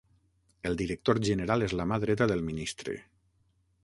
El director general és la mà dreta del ministre.